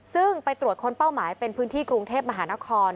ซึ่งไปตรวจค้นเป้าหมายเป็นพื้นที่กรุงเทพมหานคร